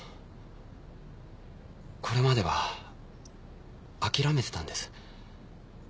これまでは諦めてたんです。